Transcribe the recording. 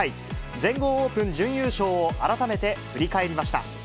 全豪オープン準優勝を改めて振り返りました。